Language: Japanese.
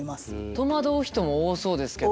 戸惑う人も多そうですけど。